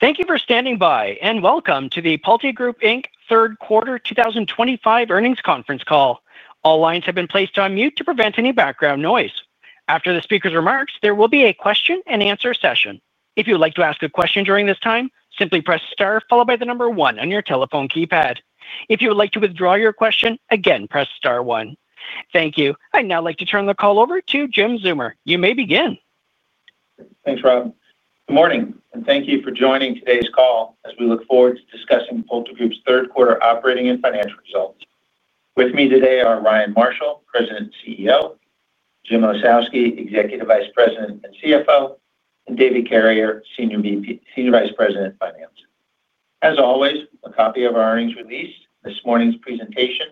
Thank you for standing by and welcome to the PulteGroup Inc. Third Quarter 2025 Earnings Conference Call. All lines have been placed on mute to prevent any background noise. After the speaker's remarks, there will be a question and answer session. If you would like to ask a question during this time, simply press star followed by the number one on your telephone keypad. If you would like to withdraw your question, again press star one. Thank you. I'd now like to turn the call over to Jim Zeumer. You may begin. Thanks, Rob. Good morning and thank you for joining today's call as we look forward to discussing PulteGroup's third quarter operating and financial results. With me today are Ryan Marshall, President and CEO, Jim Ossowski, Executive Vice President and CFO, and David Carrier, Senior Vice President of Finance. As always, a copy of our earnings release and this morning's presentation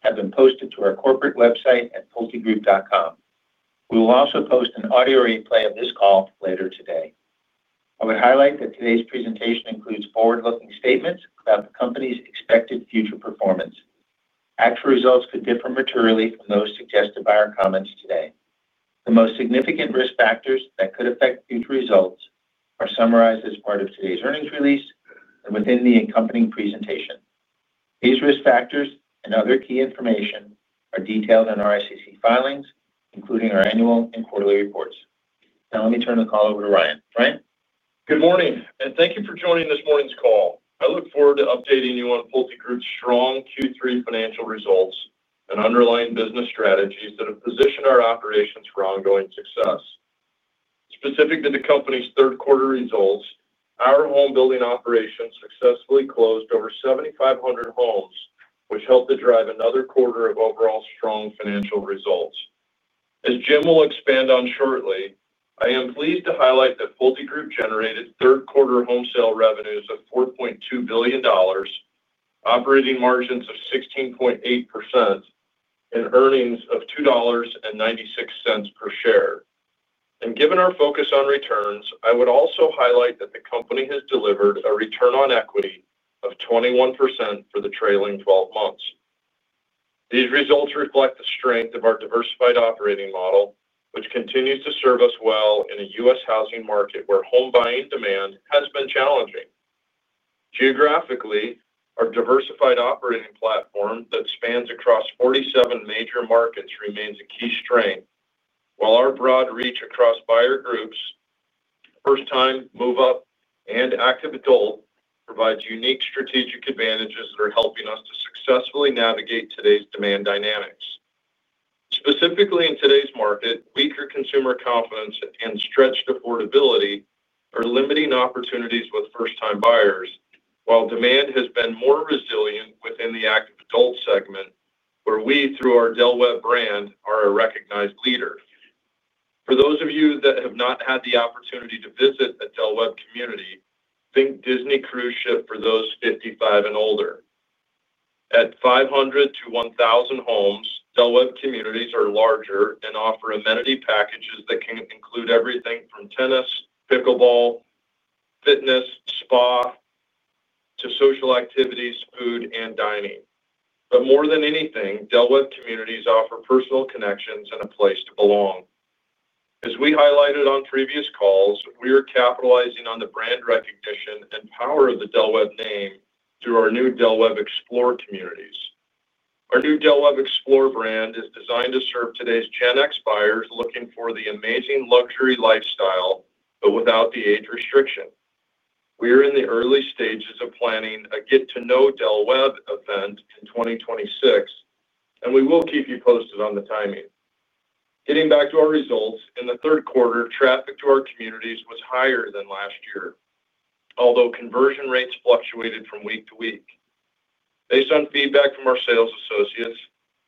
have been posted to our corporate website at pultegroup.com. We will also post an audio replay of this call later today. I would highlight that today's presentation includes forward-looking statements about the company's expected future performance. Actual results could differ materially from those suggested by our comments today. The most significant risk factors that could affect future results are summarized as part of today's earnings release and within the accompanying presentation. These risk factors and other key information are detailed in our SEC filings, including our annual and quarterly reports. Now let me turn the call over to Ryan. Ryan. Good morning and thank you for joining this morning's call. I look forward to updating you on PulteGroup's strong Q3 financial results and underlying business strategies that have positioned our operations for ongoing success. Specific to the company's third quarter results, our home building operations successfully closed over 7,500 homes, which helped to drive another quarter of overall strong financial results. As Jim will expand on shortly, I am pleased to highlight that PulteGroup generated third quarter home sale revenues of $4.2 billion, operating margins of 16.8%, and earnings of $2.96 per share. Given our focus on returns, I would also highlight that the company has delivered a return on equity of 21% for the trailing twelve months. These results reflect the strength of our diversified operating model, which continues to serve us well in a U.S. housing market where home buying demand has been challenging. Geographically, our diversified operating platform that spans across 47 major markets remains a key strength, while our broad reach across buyer groups, first-time, move-up, and active adult provides unique strategic advantages that are helping us to successfully navigate today's demand dynamics. Specifically in today's market, weaker consumer confidence and stretched affordability are limiting opportunities with first-time buyers, while demand has been more resilient within the active adult segment, where we, through our Del Webb brand, are a recognized leader. For those of you that have not had the opportunity to visit the Del Webb community, think Disney cruise ship for those 55 and older. At 500-1,000 homes, Del Webb communities are larger and offer amenity packages that can include everything from tennis, pickleball, fitness, spa to social activities, food, and dining. More than anything, Del Webb communities offer personal connections and a place to belong. As we highlighted on previous calls, we are capitalizing on the brand recognition and power of the Del Webb name through our new Del Webb Explore communities. Our new Del Webb Explore brand is designed to serve today's Gen X buyers looking for the amazing luxury lifestyle, but without the age restriction. We are in the early stages of planning a get-to-know Del Webb event in 2026, and we will keep you posted on the timing. Getting back to our results, in the third quarter, traffic to our communities was higher than last year, although conversion rates fluctuated from week to week. Based on feedback from our sales associates,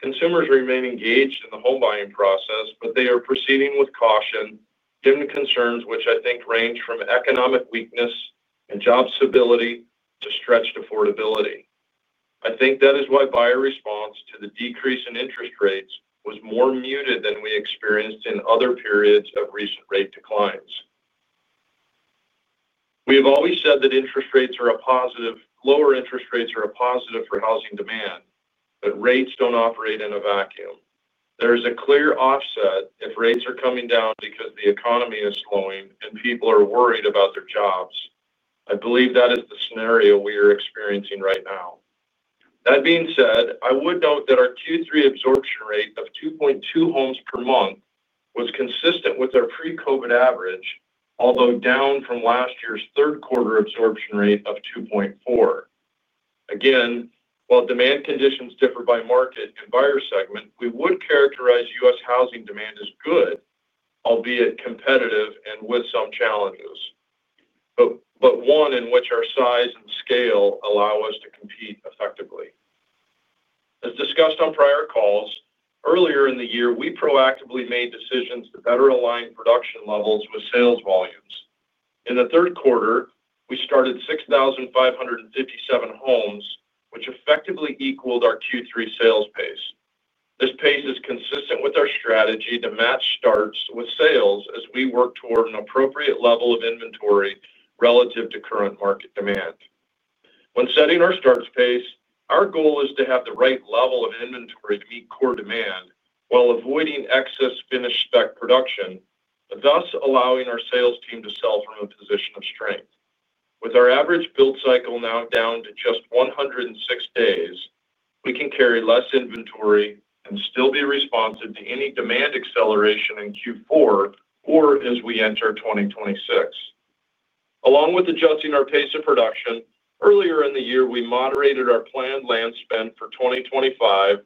consumers remain engaged in the home buying process, but they are proceeding with caution given concerns which I think range from economic weakness and job stability to stretched affordability. I think that is why buyer response to the decrease in interest rates was more muted than we experienced in other periods of recent rate declines. We have always said that interest rates are a positive, lower interest rates are a positive for housing demand, but rates don't operate in a vacuum. There is a clear offset if rates are coming down because the economy is slowing and people are worried about their jobs. I believe that is the scenario we are experiencing right now. That being said, I would note that our Q3 absorption rate of 2.2 homes per month was consistent with our pre-COVID average, although down from last year's third quarter absorption rate of 2.4. While demand conditions differ by market and buyer segment, we would characterize U.S. housing demand as good, albeit competitive and with some challenges, but one in which our size and scale allow us to compete effectively. As discussed on prior calls, earlier in the year, we proactively made decisions to better align production levels with sales volumes. In the third quarter, we started 6,557 homes, which effectively equaled our Q3 sales pace. This pace is consistent with our strategy to match starts with sales as we work toward an appropriate level of inventory relative to current market demand. When setting our starts pace, our goal is to have the right level of inventory to meet core demand while avoiding excess finished spec production, thus allowing our sales team to sell from a position of strength. With our average build cycle now down to just 106 days, we can carry less inventory and still be responsive to any demand acceleration in Q4 or as we enter 2026. Along with adjusting our pace of production, earlier in the year, we moderated our planned land spend for 2025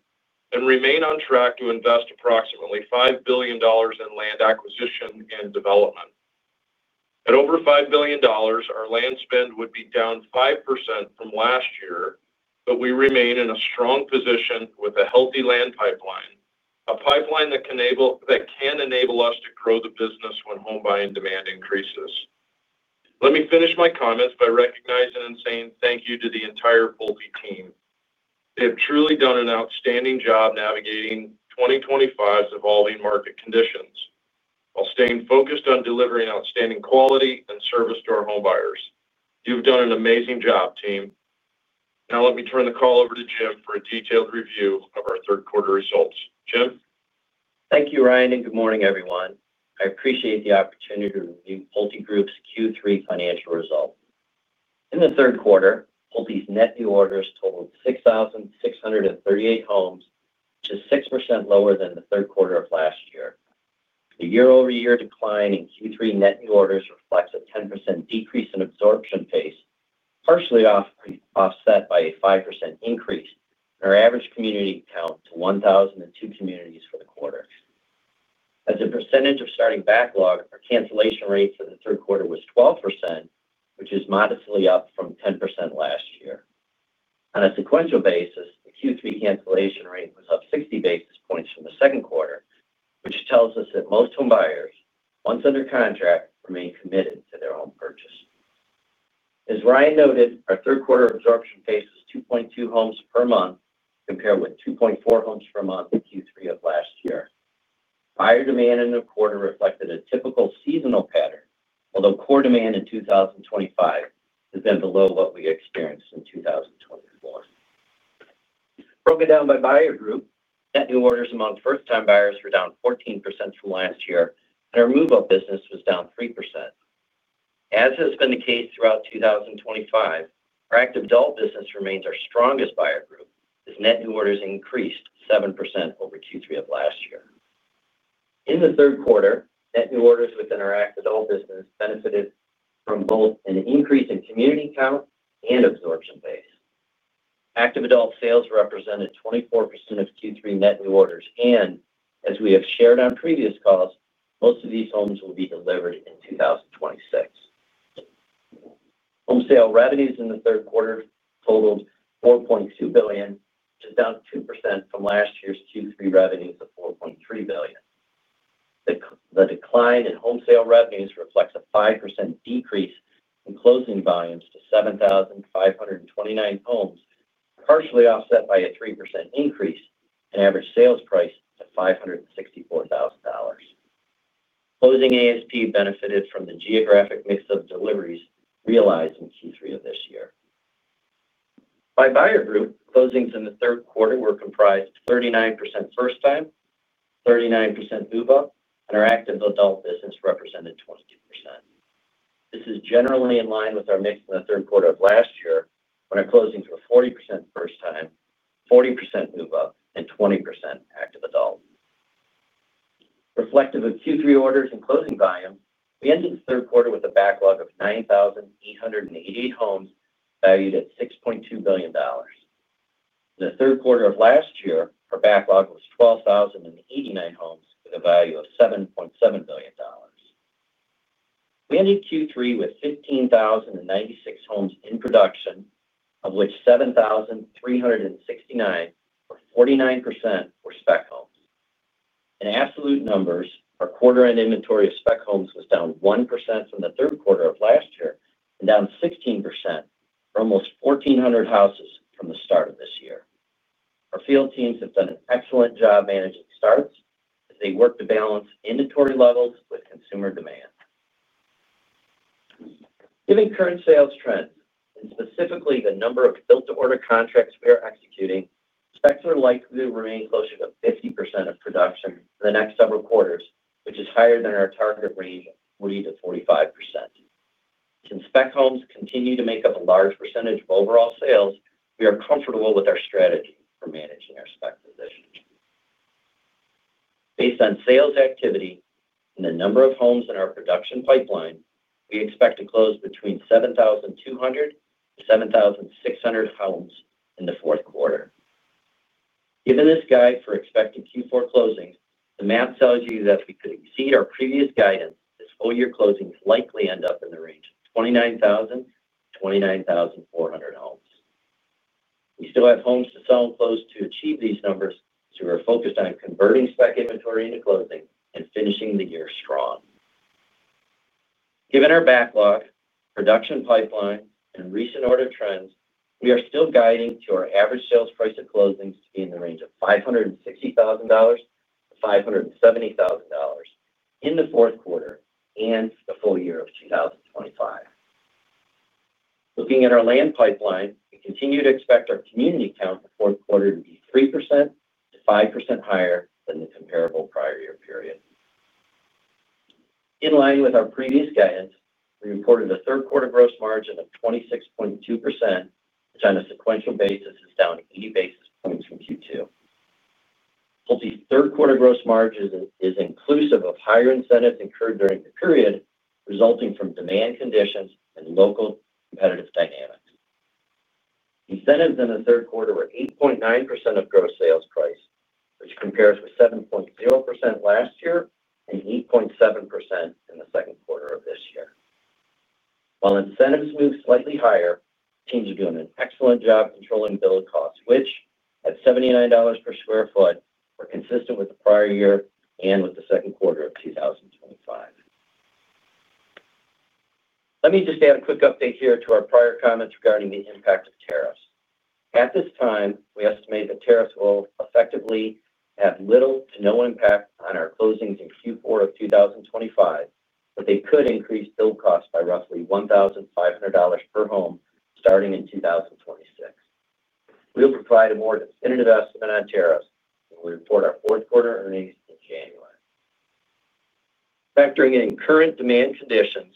and remain on track to invest approximately $5 billion in land acquisition and development. At over $5 billion, our land spend would be down 5% from last year, but we remain in a strong position with a healthy land pipeline, a pipeline that can enable us to grow the business when home buying demand increases. Let me finish my comments by recognizing and saying thank you to the entire Pulte team. They have truly done an outstanding job navigating 2025's evolving market conditions while staying focused on delivering outstanding quality and service to our home buyers. You've done an amazing job, team. Now let me turn the call over to Jim for a detailed review of our third quarter results. Jim? Thank you, Ryan, and good morning, everyone. I appreciate the opportunity to review PulteGroup's Q3 financial results. In the third quarter, Pulte's net new orders totaled 6,638 homes, which is 6% lower than the third quarter of last year. The year-over-year decline in Q3 net new orders reflects a 10% decrease in absorption pace, partially offset by a 5% increase in our average community count to 1,002 communities for the quarter. As a percentage of starting backlog, our cancellation rate for the third quarter was 12%, which is modestly up from 10% last year. On a sequential basis, the Q3 cancellation rate was up 60 basis points from the second quarter, which tells us that most home buyers, once under contract, remain committed to their home purchase. As Ryan noted, our third quarter absorption pace was 2.2 homes per month, compared with 2.4 homes per month in Q3 of last year. Buyer demand in the quarter reflected a typical seasonal pattern, although core demand in 2025 has been below what we experienced in 2024. Broken down by buyer group, net new orders among first-time buyers were down 14% from last year, and our move-up business was down 3%. As has been the case throughout 2025, our active adult business remains our strongest buyer group, as net new orders increased 7% over Q3 of last year. In the third quarter, net new orders within our active adult business benefited from both an increase in community count and absorption pace. Active adult sales represented 24% of Q3 net new orders, and as we have shared on previous calls, most of these homes will be delivered in 2026. Home sale revenues in the third quarter totaled $4.2 billion, which is down 2% from last year's Q3 revenues of $4.3 billion. The decline in home sale revenues reflects a 5% decrease in closing volumes to 7,529 homes, partially offset by a 3% increase in average sales price at $564,000. Closing ASP benefited from the geographic mix of deliveries realized in Q3 of this year. By buyer group, closings in the third quarter were comprised of 39% first-time, 39% move-up, and our active adult business represented 22%. This is generally in line with our mix in the third quarter of last year, when our closings were 40% first-time, 40% move-up, and 20% active adult. Reflective of Q3 orders and closing volume, we ended the third quarter with a backlog of 9,888 homes valued at $6.2 billion. In the third quarter of last year, our backlog was 12,089 homes with a value of $7.7 billion. We ended Q3 with 15,096 homes in production, of which 7,369 or 49% were spec homes. In absolute numbers, our quarter-end inventory of spec homes was down 1% from the third quarter of last year and down 16% for almost 1,400 houses from the start of this year. Our field teams have done an excellent job managing starts as they work to balance inventory levels with consumer demand. Given current sales trends and specifically the number of built-to-order contracts we are executing, specs are likely to remain closer to 50% of production in the next several quarters, which is higher than our target range of 40%-45%. Since spec homes continue to make up a large percentage of overall sales, we are comfortable with our strategy for managing our spec position. Based on sales activity and the number of homes in our production pipeline, we expect to close between 7,200 to 7,600 homes in the fourth quarter. Given this guide for expected Q4 closings, the math tells you that if we could exceed our previous guidance, this whole year closings likely end up in the range of 29,000-29,400 homes. We still have homes to sell and close to achieve these numbers as we are focused on converting spec inventory into closing and finishing the year strong. Given our backlog, production pipeline, and recent order trends, we are still guiding to our average sales price of closings to be in the range of $560,000-$570,000 in the fourth quarter and the full year of 2025. Looking at our land pipeline, we continue to expect our community count the fourth quarter to be 3%-5% higher than the comparable prior year period. In line with our previous guidance, we reported a third quarter gross margin of 26.2%, which on a sequential basis is down 80 basis points from Q2. Pulte's third quarter gross margin is inclusive of higher incentives incurred during the period resulting from demand conditions and local competitive dynamics. Incentives in the third quarter were 8.9% of gross sales price, which compares with 7.0% last year and 8.7% in the second quarter of this year. While incentives move slightly higher, teams are doing an excellent job controlling billed costs, which at $79 per square foot are consistent with the prior year and with the second quarter of 2025. Let me just add a quick update here to our prior comments regarding the impact of tariffs. At this time, we estimate that tariffs will effectively have little to no impact on our closings in Q4 of 2025, but they could increase billed costs by roughly $1,500 per home starting in 2026. We'll provide a more definitive estimate on tariffs when we report our fourth quarter earnings in January. Factoring in current demand conditions,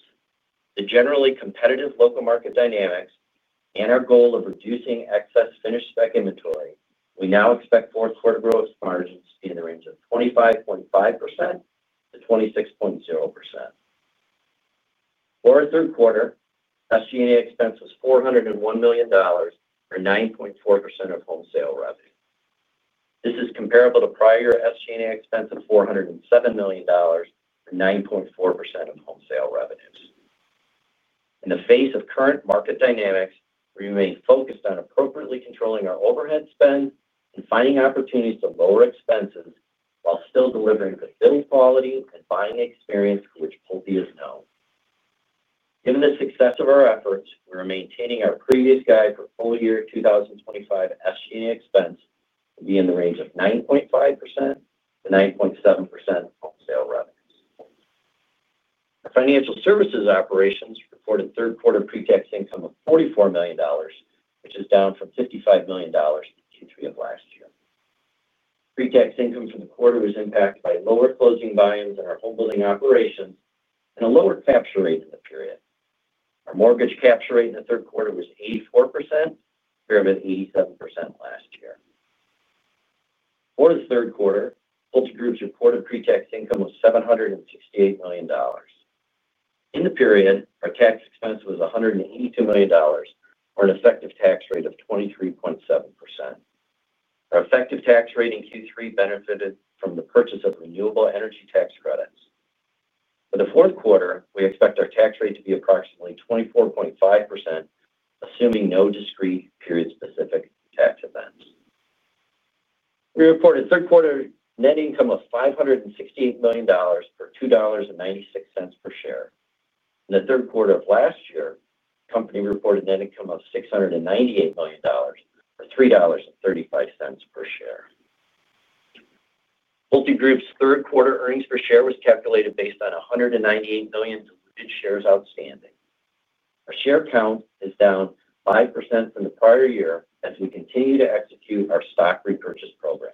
the generally competitive local market dynamics, and our goal of reducing excess finished spec inventory, we now expect fourth quarter gross margins to be in the range of 25.5%-26.0%. For our third quarter, SG&A expense was $401 million or 9.4% of home sale revenue. This is comparable to prior SG&A expense of $407 million or 9.4% of home sale revenues. In the face of current market dynamics, we remain focused on appropriately controlling our overhead spend and finding opportunities to lower expenses while still delivering the build quality and buying experience for which Pulte is known. Given the success of our efforts, we are maintaining our previous guide for full year 2025 SG&A expense to be in the range of 9.5%-9.7% of home sale revenues. Our financial services operations reported third quarter pre-tax income of $44 million, which is down from $55 million in Q3 of last year. Pre-tax income for the quarter was impacted by lower closing volumes in our home building operations and a lower capture rate in the period. Our mortgage capture rate in the third quarter was 84%, compared with 87% last year. For the third quarter, PulteGroup's reported pre-tax income was $768 million. In the period, our tax expense was $182 million, or an effective tax rate of 23.7%. Our effective tax rate in Q3 benefited from the purchase of renewable energy tax credits. For the fourth quarter, we expect our tax rate to be approximately 24.5%, assuming no discrete period-specific tax events. We reported third quarter net income of $568 million or $2.96 per share. In the third quarter of last year, the company reported net income of $698 million or $3.35 per share. PulteGroup's third quarter earnings per share was calculated based on 198 million diluted shares outstanding. Our share count is down 5% from the prior year as we continue to execute our stock repurchase program.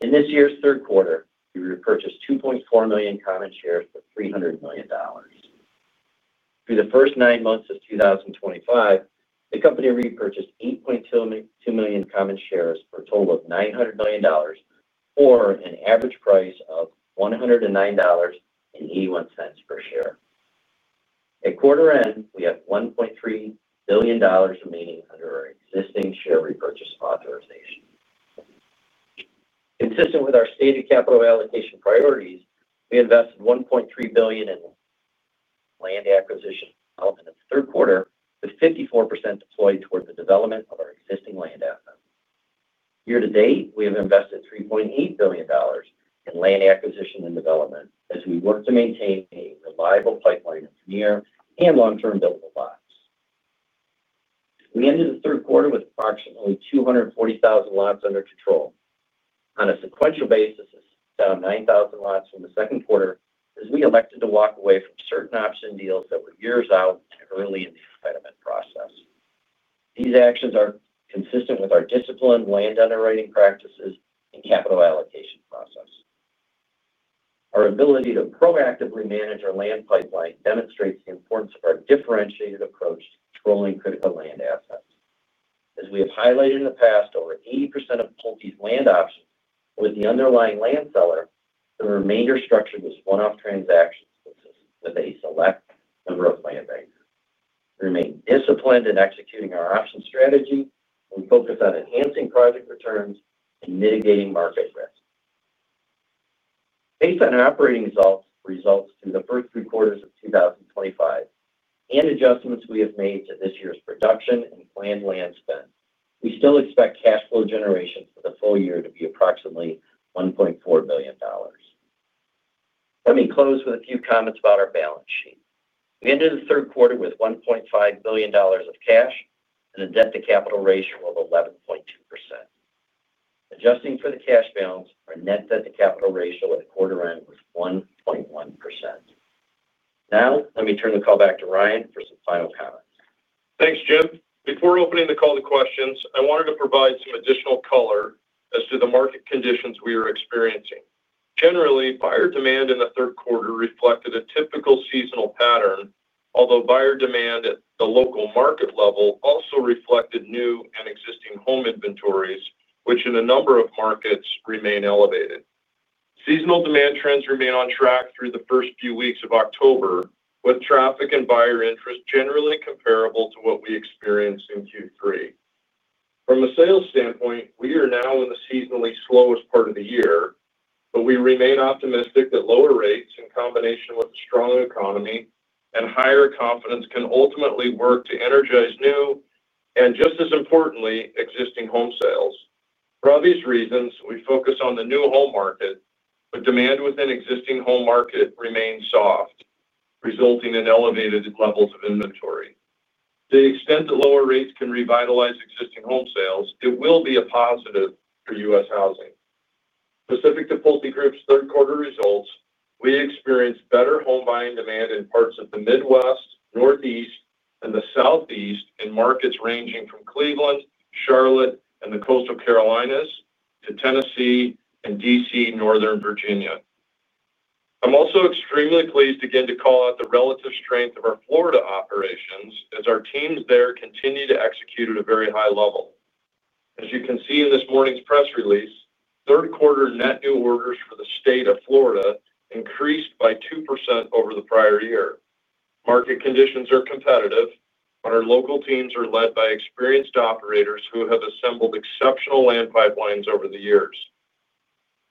In this year's third quarter, we repurchased 2.4 million common shares for $300 million. Through the first nine months of 2025, the company repurchased 8.2 million common shares for a total of $900 million, or an average price of $109.81 per share. At quarter end, we have $1.3 billion remaining under our existing share repurchase authorization. Consistent with our stated capital allocation priorities, we invested $1.3 billion in land acquisition and development in the third quarter, with 54% deployed toward the development of our existing land assets. Year to date, we have invested $3.8 billion in land acquisition and development as we work to maintain a reliable pipeline of near and long-term buildable lots. We ended the third quarter with approximately 240,000 lots under control. On a sequential basis, it's down 9,000 lots from the second quarter as we elected to walk away from certain option deals that were years out and early in the entitlement process. These actions are consistent with our disciplined land underwriting practices and capital allocation process. Our ability to proactively manage our land pipeline demonstrates the importance of our differentiated approach to controlling critical land assets. As we have highlighted in the past, over 80% of Pulte's land options are with the underlying land seller, the remainder structured as one-off transactions with a select number of land bankers. We remain disciplined in executing our option strategy, and we focus on enhancing project returns and mitigating market risk. Based on operating results through the first three quarters of 2023 and adjustments we have made to this year's production and planned land spend, we still expect cash flow generation for the full year to be approximately $1.4 billion. Let me close with a few comments about our balance sheet. We ended the third quarter with $1.5 billion of cash and a debt-to-capital ratio of 11.2%. Adjusting for the cash balance, our net debt-to-capital ratio at quarter end was 1.1%. Now, let me turn the call back to Ryan for some final comments. Thanks, Jim. Before opening the call to questions, I wanted to provide some additional color as to the market conditions we are experiencing. Generally, buyer demand in the third quarter reflected a typical seasonal pattern, although buyer demand at the local market level also reflected new and existing home inventories, which in a number of markets remain elevated. Seasonal demand trends remain on track through the first few weeks of October, with traffic and buyer interest generally comparable to what we experienced in Q3. From a sales standpoint, we are now in the seasonally slowest part of the year, but we remain optimistic that lower rates in combination with a strong economy and higher confidence can ultimately work to energize new and, just as importantly, existing home sales. For obvious reasons, we focus on the new home market, but demand within the existing home market remains soft, resulting in elevated levels of inventory. To the extent that lower rates can revitalize existing home sales, it will be a positive for U.S. housing. Specific to PulteGroup's third quarter results, we experienced better home buying demand in parts of the Midwest, Northeast, and the Southeast in markets ranging from Cleveland, Charlotte, and the Coastal Carolinas to Tennessee and D.C., Northern Virginia. I'm also extremely pleased again to call out the relative strength of our Florida operations as our teams there continue to execute at a very high level. As you can see in this morning's press release, third quarter net new orders for the state of Florida increased by 2% over the prior year. Market conditions are competitive, but our local teams are led by experienced operators who have assembled exceptional land pipelines over the years.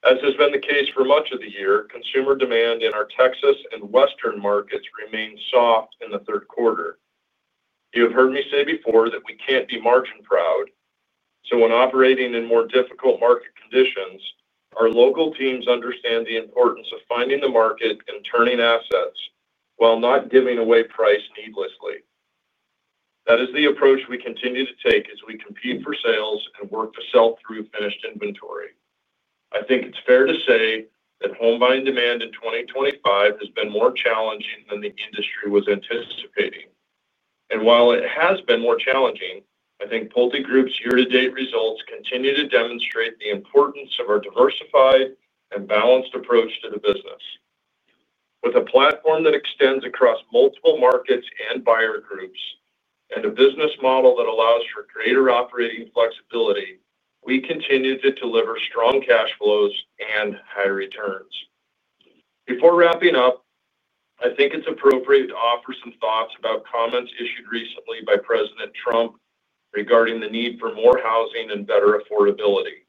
As has been the case for much of the year, consumer demand in our Texas and Western markets remains soft in the third quarter. You have heard me say before that we can't be margin proud. When operating in more difficult market conditions, our local teams understand the importance of finding the market and turning assets while not giving away price needlessly. That is the approach we continue to take as we compete for sales and work to sell through finished inventory. I think it's fair to say that home buying demand in 2025 has been more challenging than the industry was anticipating. While it has been more challenging, I think PulteGroup's year-to-date results continue to demonstrate the importance of our diversified and balanced approach to the business. With a platform that extends across multiple markets and buyer groups and a business model that allows for greater operating flexibility, we continue to deliver strong cash flows and high returns. Before wrapping up, I think it's appropriate to offer some thoughts about comments issued recently by President Trump regarding the need for more housing and better affordability.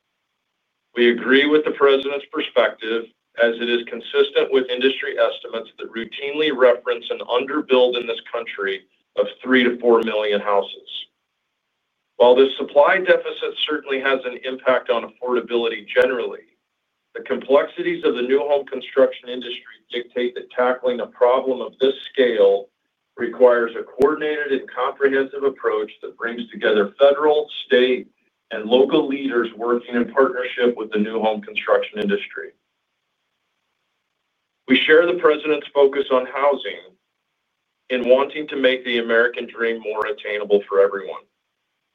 We agree with the President's perspective as it is consistent with industry estimates that routinely reference an underbuild in this country of three to four million houses. While the supply deficit certainly has an impact on affordability generally, the complexities of the new home construction industry dictate that tackling a problem of this scale requires a coordinated and comprehensive approach that brings together federal, state, and local leaders working in partnership with the new home construction industry. We share the President's focus on housing in wanting to make the American dream more attainable for everyone.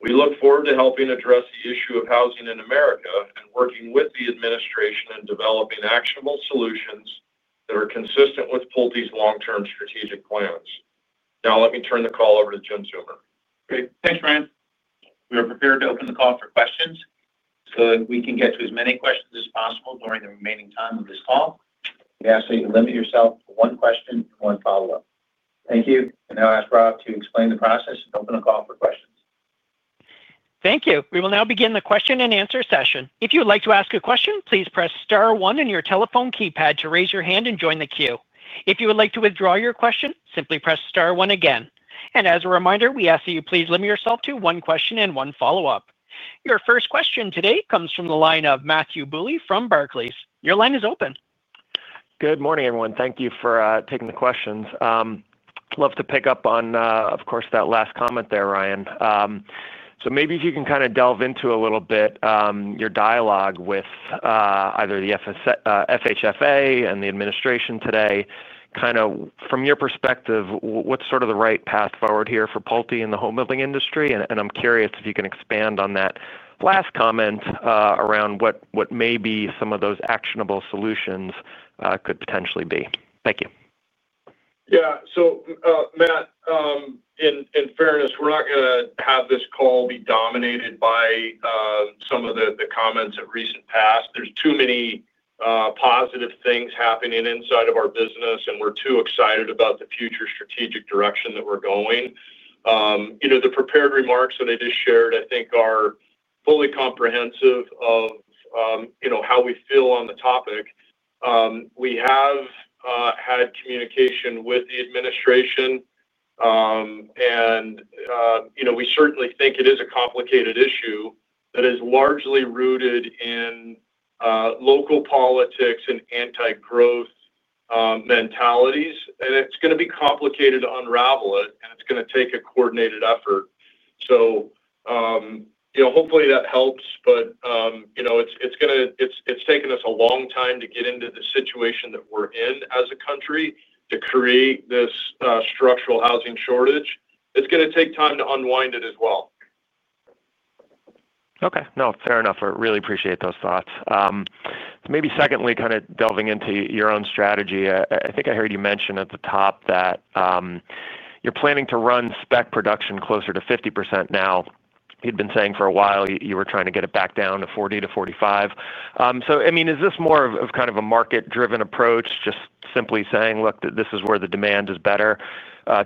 We look forward to helping address the issue of housing in America and working with the administration in developing actionable solutions that are consistent with Pulte's long-term strategic plans. Now let me turn the call over to Jim Zeumer. Okay. Thanks, Ryan. We are prepared to open the call for questions so that we can get to as many questions as possible during the remaining time of this call. We ask that you limit yourself to one question and one follow-up. Thank you. I now ask Rob to explain the process and open the call for questions. Thank you. We will now begin the question and answer session. If you would like to ask a question, please press star one on your telephone keypad to raise your hand and join the queue. If you would like to withdraw your question, simply press star one again. As a reminder, we ask that you please limit yourself to one question and one follow-up. Your first question today comes from the line of Matthew Bouley from Barclays. Your line is open. Good morning, everyone. Thank you for taking the questions. I'd love to pick up on that last comment there, Ryan. Maybe if you can kind of delve into a little bit your dialogue with either the FHFA and the administration today, from your perspective, what's sort of the right path forward here for Pulte in the home building industry? I'm curious if you can expand on that last comment around what maybe some of those actionable solutions could potentially be. Thank you. Yeah. Matt, in fairness, we're not going to have this call be dominated by some of the comments of recent past. There are too many positive things happening inside of our business, and we're too excited about the future strategic direction that we're going. The prepared remarks that I just shared, I think, are fully comprehensive of how we feel on the topic. We have had communication with the administration, and we certainly think it is a complicated issue that is largely rooted in local politics and anti-growth mentalities. It's going to be complicated to unravel it, and it's going to take a coordinated effort. Hopefully, that helps, but it's taken us a long time to get into the situation that we're in as a country to create this structural housing shortage. It's going to take time to unwind it as well. Okay. No, fair enough. I really appreciate those thoughts. Maybe secondly, kind of delving into your own strategy, I think I heard you mention at the top that you're planning to run spec production closer to 50% now. You'd been saying for a while you were trying to get it back down to 40%-45%. I mean, is this more of kind of a market-driven approach, just simply saying, "Look, this is where the demand is better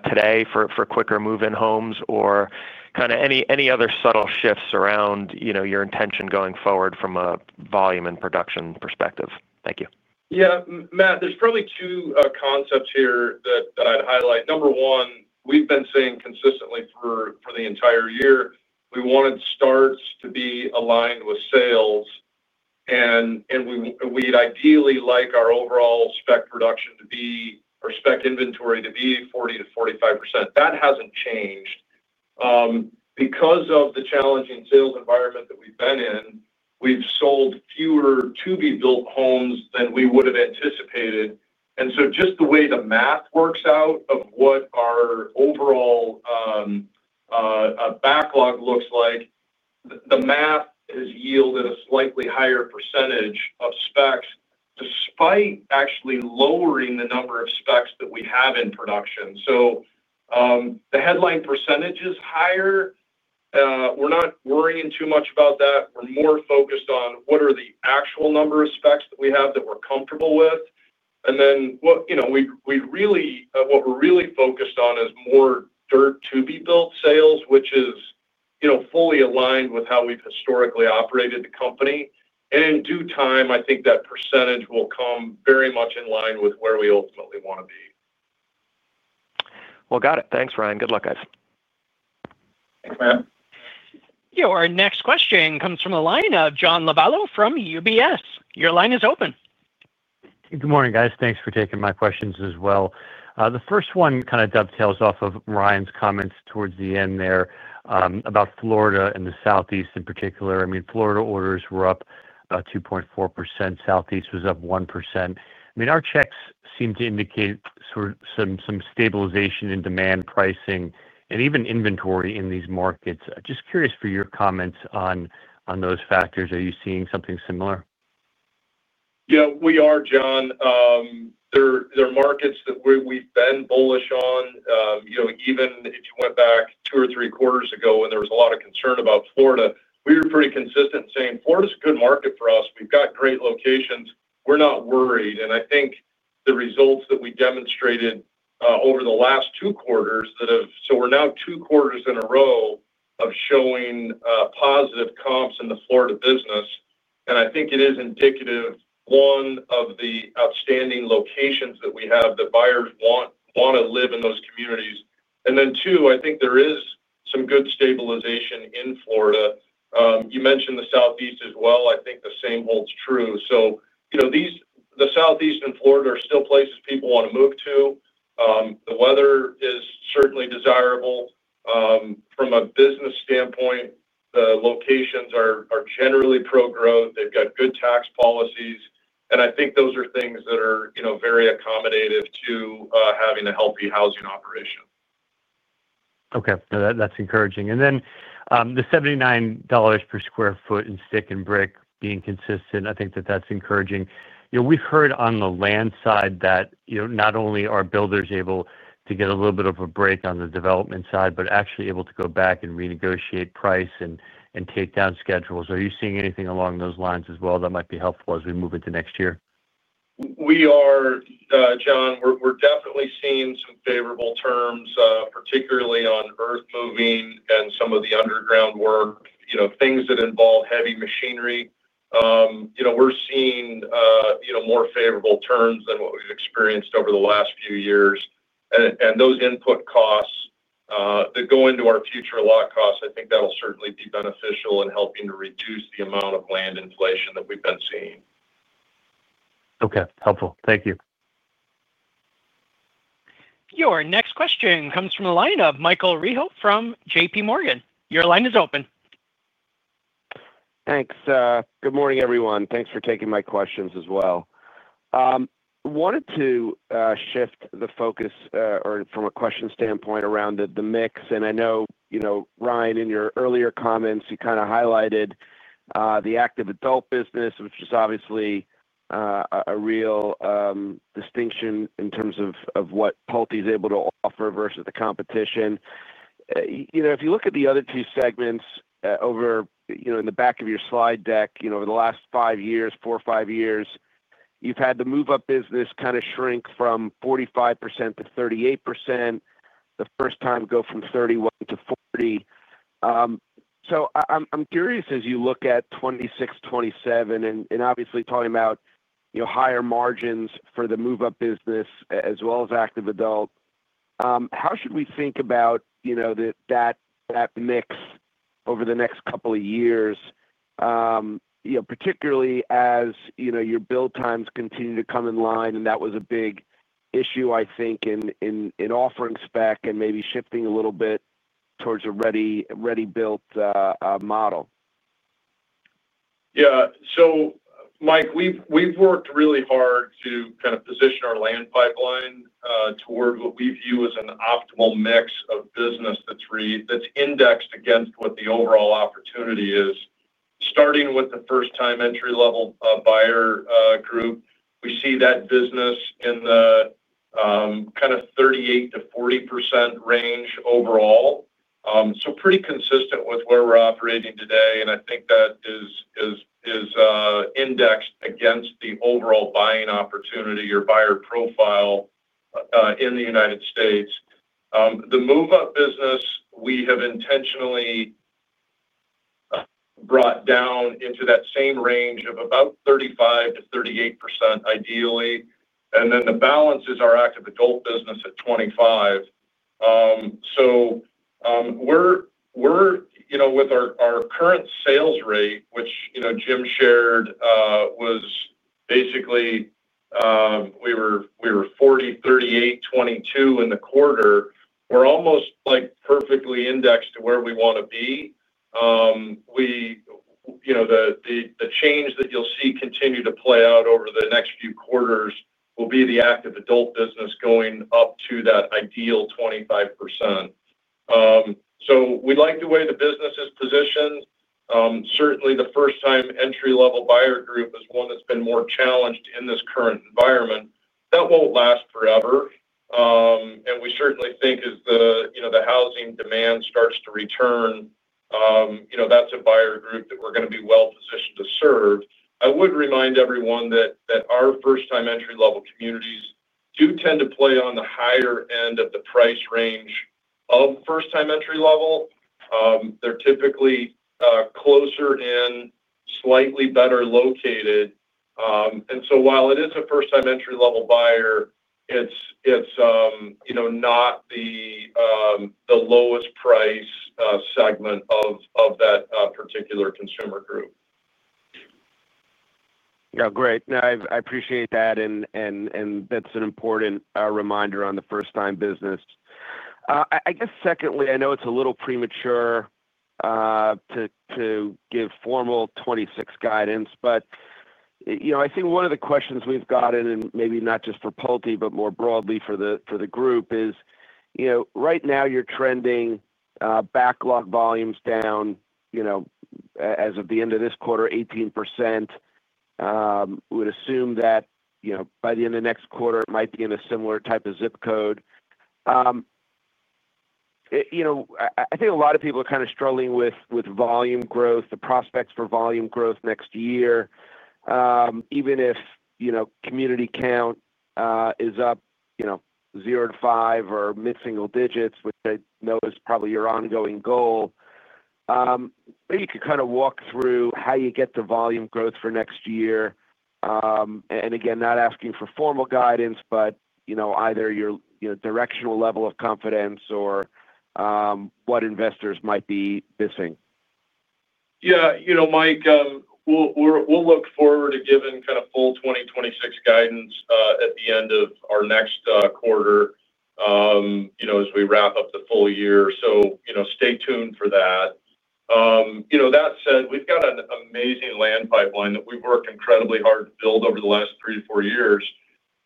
today for quicker move-in homes," or any other subtle shifts around your intention going forward from a volume and production perspective? Thank you. Yeah, Matt, there's probably two concepts here that I'd highlight. Number one, we've been saying consistently for the entire year, we wanted starts to be aligned with sales, and we'd ideally like our overall spec production to be our spec inventory to be 40%-45%. That hasn't changed. Because of the challenging sales environment that we've been in, we've sold fewer to-be-built homes than we would have anticipated. Just the way the math works out of what our overall backlog looks like, the math has yielded a slightly higher percentage of specs despite actually lowering the number of specs that we have in production. The headline percentage is higher. We're not worrying too much about that. We're more focused on what are the actual number of specs that we have that we're comfortable with. What we really focused on is more dirt to-be-built sales, which is fully aligned with how we've historically operated the company. In due time, I think that percentage will come very much in line with where we ultimately want to be. Got it. Thanks, Ryan. Good luck, guys. Thanks, man. Our next question comes from the line of John Lovallo from UBS. Your line is open. Good morning, guys. Thanks for taking my questions as well. The first one kind of dovetails off of Ryan's comments towards the end there about Florida and the Southeast in particular. I mean, Florida orders were up about 2.4%. Southeast was up 1%. I mean, our checks seem to indicate sort of some stabilization in demand, pricing, and even inventory in these markets. Just curious for your comments on those factors. Are you seeing something similar? Yeah, we are, John. There are markets that we've been bullish on. Even if you went back two or three quarters ago when there was a lot of concern about Florida, we were pretty consistent in saying Florida is a good market for us. We've got great locations. We're not worried. I think the results that we demonstrated over the last two quarters, so we're now two quarters in a row of showing positive comps in the Florida business. I think it is indicative, one, of the outstanding locations that we have that buyers want to live in those communities. Two, I think there is some good stabilization in Florida. You mentioned the Southeast as well. I think the same holds true. The Southeast and Florida are still places people want to move to. The weather is certainly desirable. From a business standpoint, the locations are generally pro-growth. They've got good tax policies. I think those are things that are very accommodative to having a healthy housing operation. Okay, that's encouraging. The $79 per square foot in stick and brick being consistent, I think that's encouraging. We've heard on the land side that not only are builders able to get a little bit of a break on the development side, but actually able to go back and renegotiate price and take down schedules. Are you seeing anything along those lines as well that might be helpful as we move into next year? We are, John. We're definitely seeing some favorable terms, particularly on earth moving and some of the underground work, things that involve heavy machinery. We're seeing more favorable terms than what we've experienced over the last few years. Those input costs that go into our future lot costs, I think that'll certainly be beneficial in helping to reduce the amount of land inflation that we've been seeing. Okay. Helpful. Thank you. Your next question comes from the line of Michael Rehaut from JP Morgan. Your line is open. Thanks. Good morning, everyone. Thanks for taking my questions as well. I wanted to shift the focus from a question standpoint around the mix. I know, you know, Ryan, in your earlier comments, you kind of highlighted the active adult segment, which is obviously a real distinction in terms of what Pulte is able to offer versus the competition. If you look at the other two segments over, you know, in the back of your slide deck, over the last five years, four or five years, you've had the move-up business kind of shrink from 45% to 38%. The first-time buyer go from 31% to 40%. I'm curious as you look at 2026, 2027, and obviously talking about, you know, higher margins for the move-up business as well as active adult. How should we think about, you know, that mix over the next couple of years, particularly as your build times continue to come in line? That was a big issue, I think, in offering spec homes and maybe shifting a little bit towards a ready-built model. Yeah. Mike, we've worked really hard to kind of position our land pipeline toward what we view as an optimal mix of business that's indexed against what the overall opportunity is. Starting with the first-time entry level buyer group, we see that business in the kind of 38%-40% range overall, pretty consistent with where we're operating today. I think that is indexed against the overall buying opportunity or buyer profile in the U.S. The move-up business, we have intentionally brought down into that same range of about 35%-38% ideally. The balance is our active adult business at 25%. With our current sales rate, which, as Jim shared, was basically, we were 40%, 38%, 22% in the quarter, we're almost perfectly indexed to where we want to be. The change that you'll see continue to play out over the next few quarters will be the active adult business going up to that ideal 25%. We like the way the business is positioned. Certainly, the first-time entry level buyer group is one that's been more challenged in this current environment. That won't last forever. We certainly think as the housing demand starts to return, that's a buyer group that we're going to be well positioned to serve. I would remind everyone that our first-time entry level communities do tend to play on the higher end of the price range of first-time entry level. They're typically closer in, slightly better located. While it is a first-time entry level buyer, it's not the lowest price segment of that particular consumer group. Yeah, great. I appreciate that. That's an important reminder on the first-time business. I know it's a little premature to give formal 2026 guidance, but I think one of the questions we've gotten, and maybe not just for Pulte, but more broadly for the group, is, right now you're trending backlog volumes down, as of the end of this quarter, 18%. We would assume that by the end of next quarter, it might be in a similar type of zip code. I think a lot of people are kind of struggling with volume growth, the prospects for volume growth next year. Even if community count is up, 0-5 or mid-single digits, which I know is probably your ongoing goal, maybe you could kind of walk through how you get to volume growth for next year. Again, not asking for formal guidance, but either your directional level of confidence or what investors might be missing. Yeah. You know, Mike, we'll look forward to giving kind of full 2026 guidance at the end of our next quarter, as we wrap up the full year. Stay tuned for that. That said, we've got an amazing land pipeline that we've worked incredibly hard to build over the last three to four years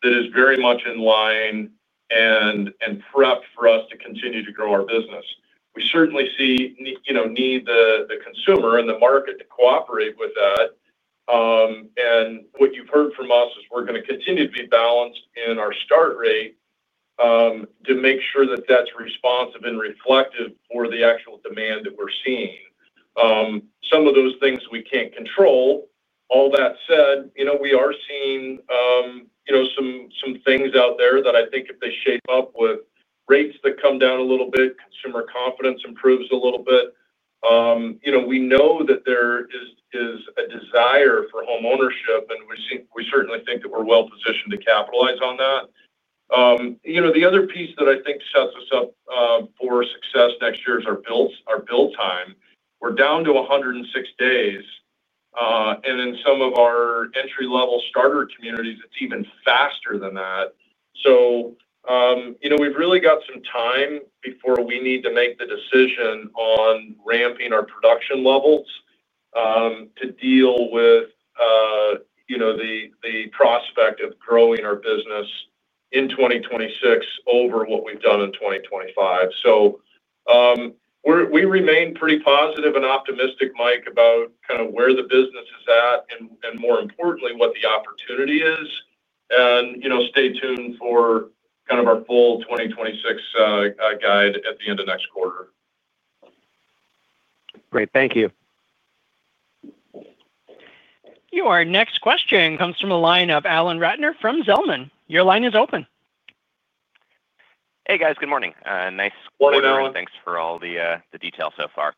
that is very much in line and prepped for us to continue to grow our business. We certainly see, you know, need the consumer and the market to cooperate with that. What you've heard from us is we're going to continue to be balanced in our start rate to make sure that that's responsive and reflective for the actual demand that we're seeing. Some of those things we can't control. All that said, we are seeing some things out there that I think if they shape up with rates that come down a little bit, consumer confidence improves a little bit. We know that there is a desire for home ownership, and we certainly think that we're well positioned to capitalize on that. The other piece that I think sets us up for success next year is our build time. We're down to 106 days, and in some of our entry-level starter communities, it's even faster than that. We've really got some time before we need to make the decision on ramping our production levels to deal with the prospect of growing our business in 2026 over what we've done in 2025. We remain pretty positive and optimistic, Mike, about kind of where the business is at and, more importantly, what the opportunity is. Stay tuned for kind of our full 2026 guide at the end of next quarter. Great. Thank you. Our next question comes from a line of Alan Ratner from Zelman. Your line is open. Hey, guys. Good morning. Nice morning. Thanks for all the details so far.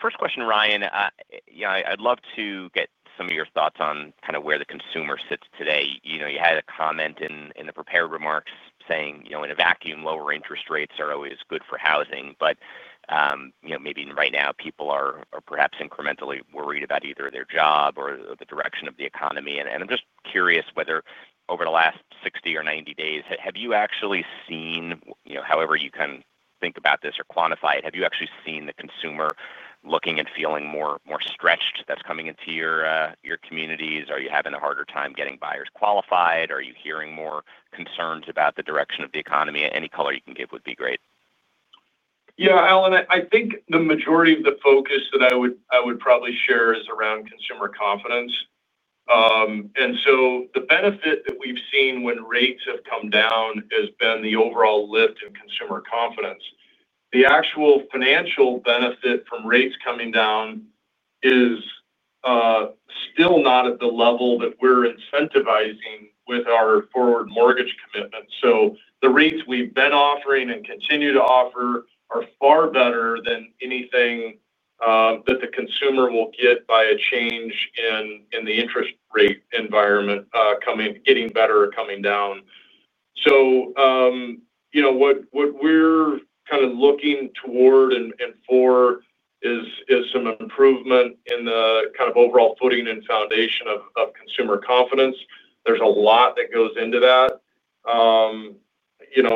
First question, Ryan, I'd love to get some of your thoughts on kind of where the consumer sits today. You had a comment in the prepared remarks saying, in a vacuum, lower interest rates are always good for housing. Maybe right now people are perhaps incrementally worried about either their job or the direction of the economy. I'm just curious whether over the last 60 or 90 days, have you actually seen, however you can think about this or quantify it, have you actually seen the consumer looking and feeling more stretched that's coming into your communities? Are you having a harder time getting buyers qualified? Are you hearing more concerns about the direction of the economy? Any color you can give would be great. Alan, I think the majority of the focus that I would probably share is around consumer confidence. The benefit that we've seen when rates have come down has been the overall lift in consumer confidence. The actual financial benefit from rates coming down is still not at the level that we're incentivizing with our forward mortgage commitment. The rates we've been offering and continue to offer are far better than anything that the consumer will get by a change in the interest rate environment coming, getting better or coming down. What we're kind of looking toward and for is some improvement in the kind of overall footing and foundation of consumer confidence. There's a lot that goes into that.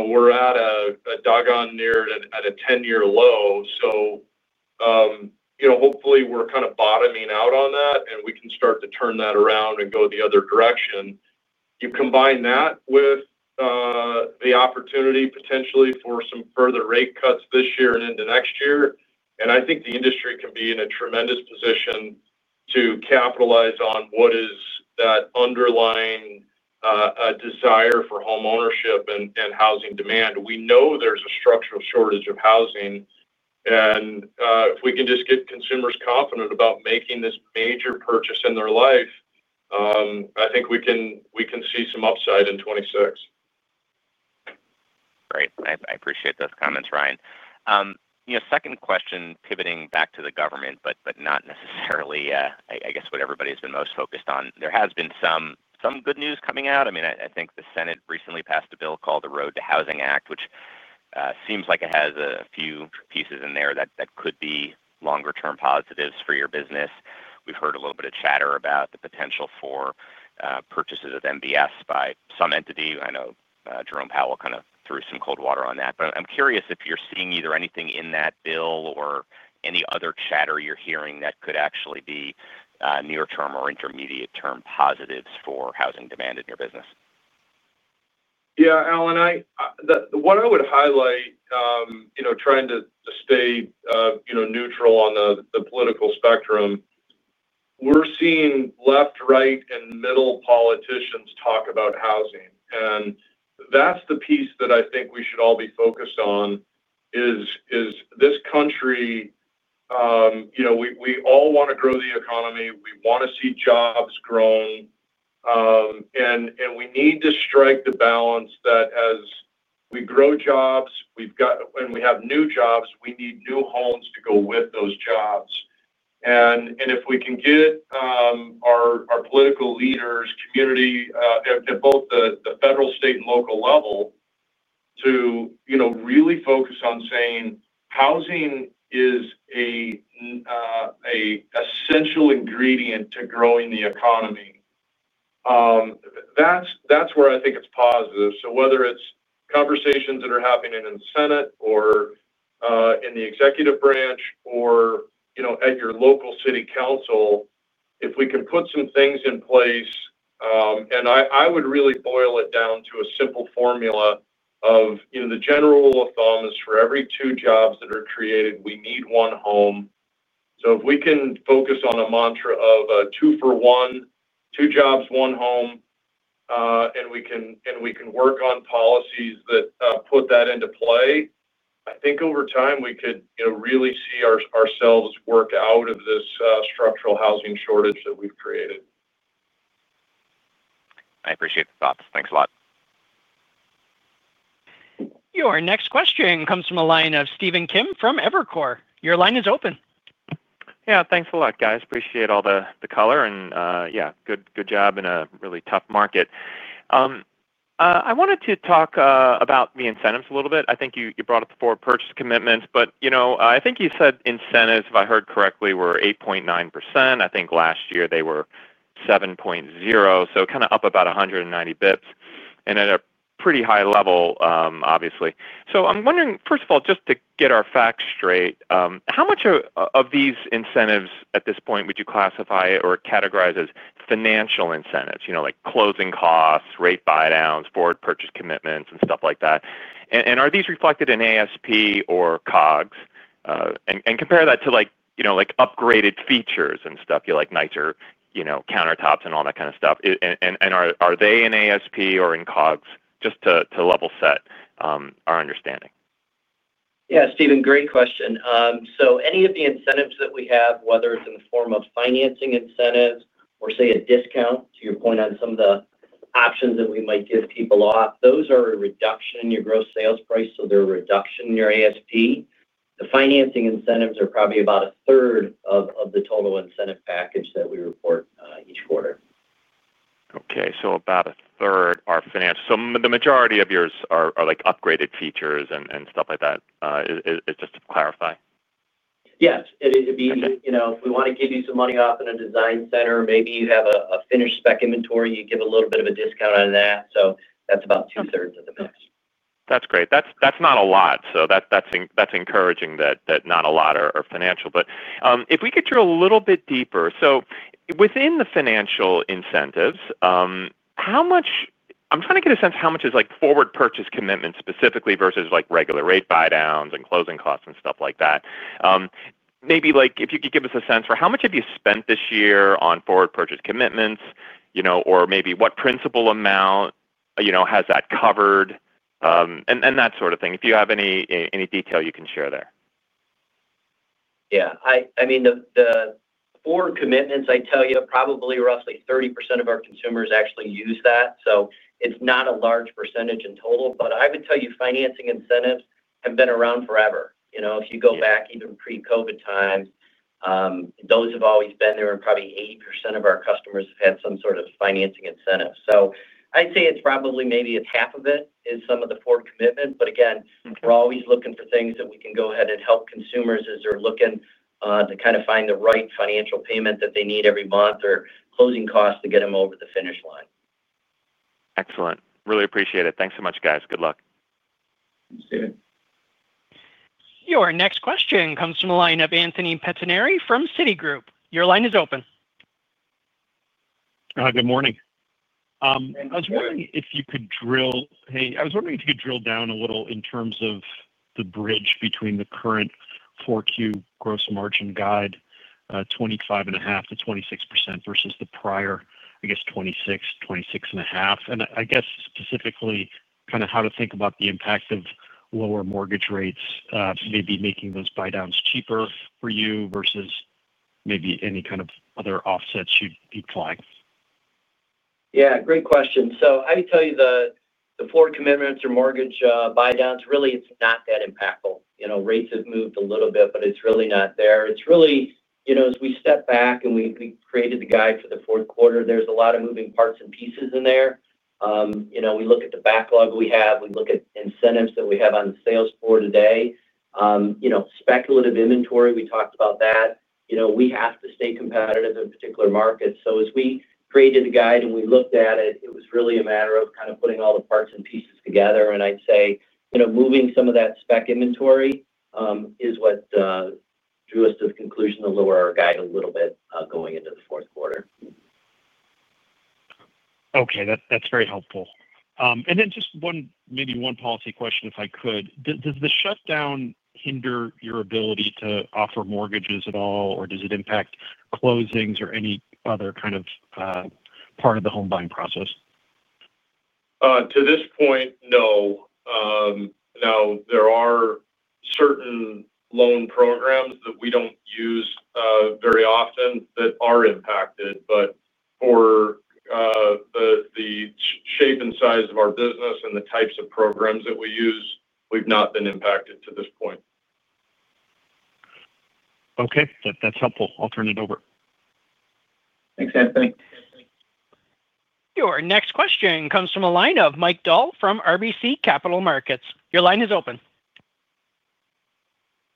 We're at a doggone near at a 10-year low. Hopefully, we're kind of bottoming out on that, and we can start to turn that around and go the other direction. You combine that with the opportunity potentially for some further rate cuts this year and into next year, and I think the industry can be in a tremendous position to capitalize on what is that underlying desire for home ownership and housing demand. We know there's a structural shortage of housing. If we can just get consumers confident about making this major purchase in their life, I think we can see some upside in 2026. Great. I appreciate those comments, Ryan. Second question, pivoting back to the government, but not necessarily, I guess, what everybody's been most focused on. There has been some good news coming out. I think the Senate recently passed a bill called the Road to Housing Act, which seems like it has a few pieces in there that could be longer-term positives for your business. We've heard a little bit of chatter about the potential for purchases of MBS by some entity. I know Jerome Powell kind of threw some cold water on that. I'm curious if you're seeing either anything in that bill or any other chatter you're hearing that could actually be near-term or intermediate-term positives for housing demand in your business. Yeah, Alan, what I would highlight, trying to stay neutral on the political spectrum, we're seeing left, right, and middle politicians talk about housing. That's the piece that I think we should all be focused on. This country, we all want to grow the economy. We want to see jobs grow. We need to strike the balance that as we grow jobs and we have new jobs, we need new homes to go with those jobs. If we can get our political leaders, community at both the federal, state, and local level to really focus on saying housing is an essential ingredient to growing the economy, that's where I think it's positive. Whether it's conversations that are happening in the Senate or in the executive branch or at your local city council, if we can put some things in place, I would really boil it down to a simple formula of, the general thumb is for every two jobs that are created, we need one home. If we can focus on a mantra of two for one, two jobs, one home, and we can work on policies that put that into play, I think over time we could really see ourselves work out of this structural housing shortage that we've created. I appreciate the thoughts. Thanks a lot. Your next question comes from a line of Stephen Kim from Evercore. Your line is open. Yeah, thanks a lot, guys. Appreciate all the color and, yeah, good job in a really tough market. I wanted to talk about the incentives a little bit. I think you brought up the forward purchase commitments, but I think you said incentives, if I heard correctly, were 8.9%. I think last year they were 7.0%, up about 190 basis points and at a pretty high level, obviously. I'm wondering, first of all, just to get our facts straight, how much of these incentives at this point would you classify or categorize as financial incentives? You know, like closing costs, rate buy-downs, forward purchase commitments, and stuff like that. Are these reflected in ASP or COGS? Compare that to, like, upgraded features and stuff, like nicer countertops and all that kind of stuff. Are they in ASP or in COGS? Just to level set our understanding. Yeah, Steven, great question. Any of the incentives that we have, whether it's in the form of financing incentives or, say, a discount, to your point on some of the options that we might give people off, those are a reduction in your gross sales price, so they're a reduction in your ASP. The financing incentives are probably about a third of the total incentive package that we report each quarter. Okay. About a third are financed. The majority of yours are like upgraded features and stuff like that. It's just to clarify. It'd be, you know, if we want to give you some money off in a design center, maybe you have a finished spec inventory, you give a little bit of a discount on that. That's about two-thirds of the mix. That's great. That's not a lot. That's encouraging that not a lot are financial. If we get through a little bit deeper, within the financial incentives, how much—I'm trying to get a sense of how much is like forward purchase commitments specifically versus regular rate buy-downs and closing costs and stuff like that. Maybe if you could give us a sense for how much have you spent this year on forward purchase commitments, or maybe what principal amount has that covered, and that sort of thing. If you have any detail you can share there. Yeah. The forward commitments, I tell you, probably roughly 30% of our consumers actually use that. It's not a large percentage in total, but I would tell you financing incentives have been around forever. If you go back even pre-COVID times, those have always been there, and probably 80% of our customers have had some sort of financing incentive. I'd say it's probably maybe half of it is some of the forward commitments. Again, we're always looking for things that we can go ahead and help consumers as they're looking to kind of find the right financial payment that they need every month or closing costs to get them over the finish line. Excellent. Really appreciate it. Thanks so much, guys. Good luck. You too. Your next question comes from a line of Anthony Pettinari from Citigroup. Your line is open. Good morning. I was wondering if you could drill down a little in terms of the bridge between the current Q4 gross margin guide, 25.5%-26% versus the prior, I guess, 26%, 26.5%. I guess specifically kind of how to think about the impact of lower mortgage rates, maybe making those buy-downs cheaper for you versus maybe any kind of other offsets you'd flag. Great question. I can tell you the forward commitments or mortgage buy-downs, really, it's not that impactful. Rates have moved a little bit, but it's really not there. As we step back and we created the guide for the fourth quarter, there's a lot of moving parts and pieces in there. We look at the backlog we have. We look at incentives that we have on the sales floor today. Speculative inventory, we talked about that. We have to stay competitive in particular markets. As we created the guide and we looked at it, it was really a matter of kind of putting all the parts and pieces together. I'd say moving some of that spec inventory is what drew us to the conclusion to lower our guide a little bit going into the fourth quarter. Okay. That's very helpful. Maybe one policy question, if I could. Does the shutdown hinder your ability to offer mortgages at all, or does it impact closings or any other kind of part of the home buying process? To this point, no. There are certain loan programs that we don't use very often that are impacted. For the shape and size of our business and the types of programs that we use, we've not been impacted to this point. Okay, that's helpful. I'll turn it over. Thanks, Anthony. Your next question comes from a line of Mike Dahl from RBC Capital Markets. Your line is open.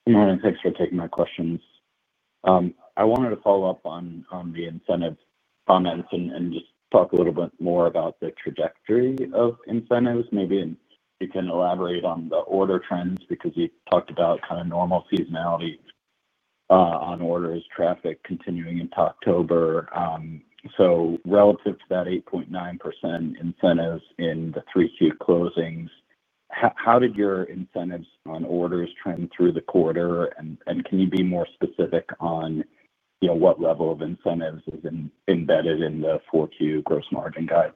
Good morning. Thanks for taking my questions. I wanted to follow up on the incentive comments and just talk a little bit more about the trajectory of incentives. Maybe you can elaborate on the order trends because you talked about kind of normal seasonality on orders, traffic continuing into October. Relative to that 8.9% incentives in the 3Q closings, how did your incentives on orders trend through the quarter? Can you be more specific on, you know, what level of incentives is embedded in the 4Q gross margin guide?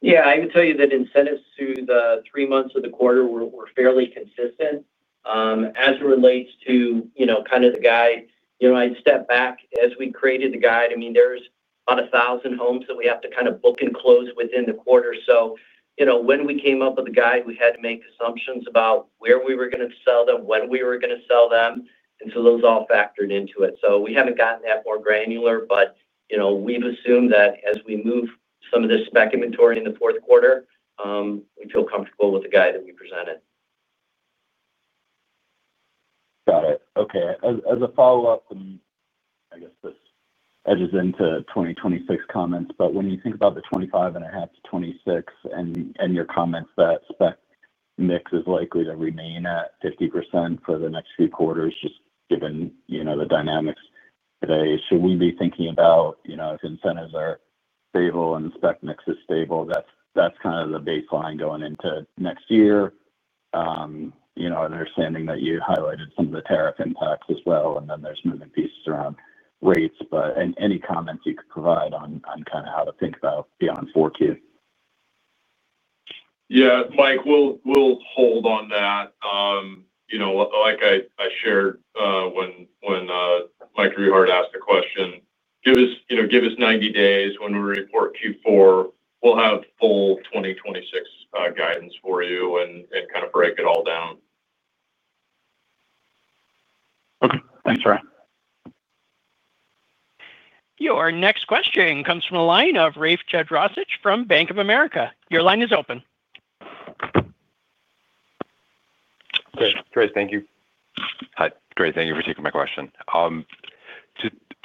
Yeah, I can tell you that incentives through the three months of the quarter were fairly consistent. As it relates to, you know, kind of the guide, I'd step back as we created the guide. I mean, there's about 1,000 homes that we have to kind of book and close within the quarter. When we came up with the guide, we had to make assumptions about where we were going to sell them, when we were going to sell them, and those all factored into it. We haven't gotten that more granular, but we've assumed that as we move some of this spec inventory in the fourth quarter, we feel comfortable with the guide that we presented. Got it. Okay. As a follow-up, I guess this edges into 2026 comments, but when you think about the 25.5%-26% and your comments that spec mix is likely to remain at 50% for the next few quarters, just given the dynamics today, should we be thinking about, if incentives are stable and spec mix is stable, that's kind of the baseline going into next year? Understanding that you highlighted some of the tariff impacts as well, and then there's moving pieces around rates, but any comments you could provide on how to think about beyond 4Q. Yeah, Mike, we'll hold on that. Like I shared when Mike Rehaut asked the question, give us 90 days. When we report Q4, we'll have full 2026 guidance for you and kind of break it all down. Okay, thanks, Ray. Your next question comes from a line of Rafe Jadrosich from Bank of America. Your line is open. Great. Thank you. Hi, great. Thank you for taking my question.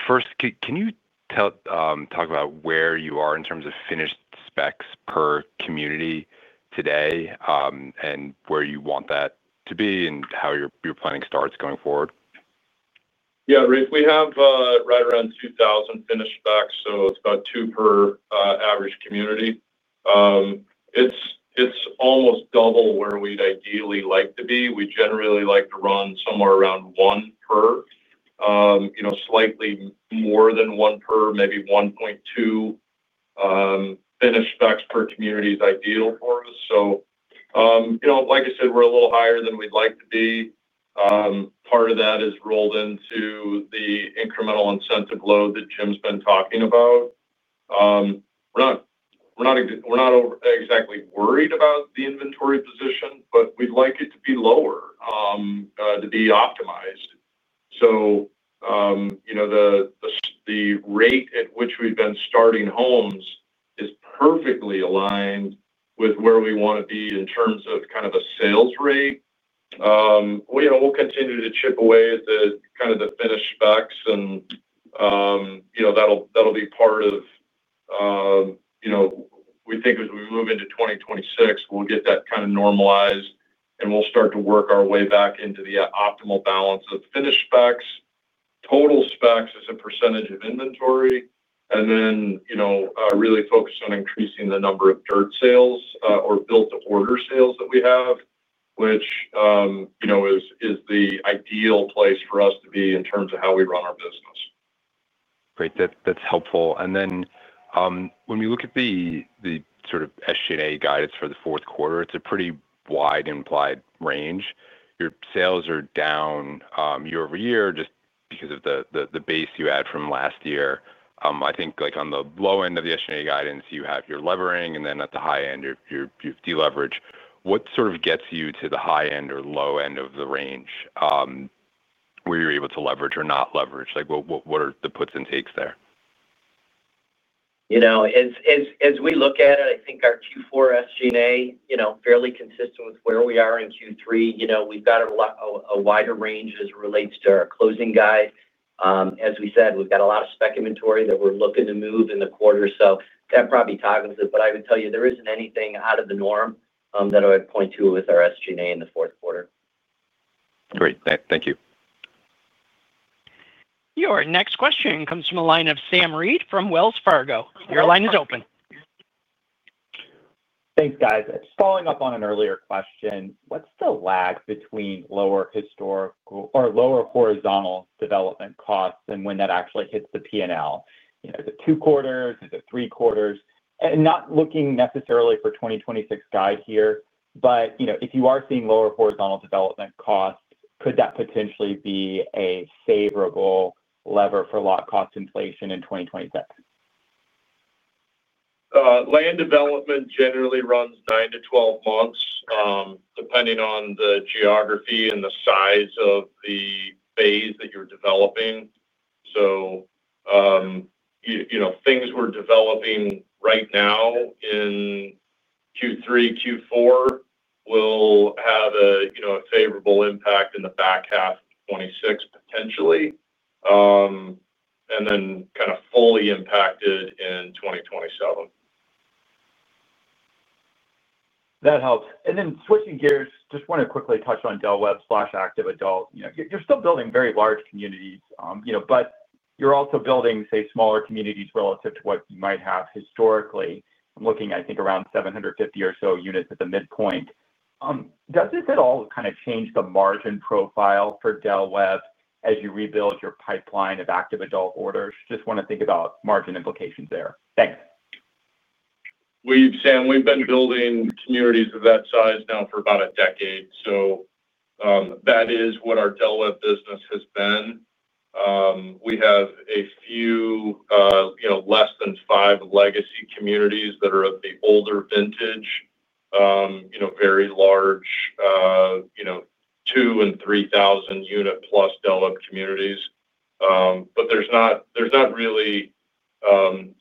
First, can you talk about where you are in terms of finished specs per community today and where you want that to be, and how you're planning starts going forward? Yeah, Rafe, we have right around 2,000 finished specs, so it's about two per average community. It's almost double where we'd ideally like to be. We generally like to run somewhere around one per, you know, slightly more than one per, maybe 1.2 finished specs per community is ideal for us. Like I said, we're a little higher than we'd like to be. Part of that is rolled into the incremental incentive load that Jim's been talking about. We're not exactly worried about the inventory position, but we'd like it to be lower, to be optimized. The rate at which we've been starting homes is perfectly aligned with where we want to be in terms of kind of a sales rate. We'll continue to chip away at the kind of the finished specs, and that'll be part of, you know, we think as we move into 2026, we'll get that kind of normalized and we'll start to work our way back into the optimal balance of finished specs, total specs as a percentage of inventory, and then really focus on increasing the number of dirt sales or built-to-order sales that we have, which is the ideal place for us to be in terms of how we run our business. That's helpful. When we look at the sort of SG&A guidance for the fourth quarter, it's a pretty wide and implied range. Your sales are down year-over-year just because of the base you had from last year. I think on the low end of the SG&A guidance, you have your levering, and at the high end, you've deleveraged. What sort of gets you to the high end or low end of the range where you're able to leverage or not leverage? What are the puts and takes there? As we look at it, I think our Q4 SG&A is fairly consistent with where we are in Q3. We've got a wider range as it relates to our closing guide. As we said, we've got a lot of spec inventory that we're looking to move in the quarter, which probably toggles it. I would tell you there isn't anything out of the norm that I would point to with our SG&A in the fourth quarter. Great. Thank you. Your next question comes from a line of Sam Reid from Wells Fargo. Your line is open. Thanks, guys. Following up on an earlier question, what's the lag between lower historical or lower horizontal development costs and when that actually hits the P&L? Is it two quarters? Is it three quarters? Not looking necessarily for 2026 guide here, but if you are seeing lower horizontal development costs, could that potentially be a favorable lever for lot cost inflation in 2026? Land development generally runs 9-12 months, depending on the geography and the size of the phase that you're developing. Things we're developing right now in Q3, Q4 will have a favorable impact in the back half of 2026 potentially, and then kind of fully impacted in 2027. That helps. Switching gears, just want to quickly touch on Del Webb/active adult. You're still building very large communities, but you're also building, say, smaller communities relative to what you might have historically. I'm looking, I think, around 750 or so units at the midpoint. Does this at all kind of change the margin profile for Del Webb as you rebuild your pipeline of active adult orders? Just want to think about margin implications there. Thanks. Sam, we've been building communities of that size now for about a decade. That is what our Del Webb business has been. We have a few, you know, less than five legacy communities that are of the older vintage, very large, 2,000 and 3,000 unit plus Del Webb communities. There's not really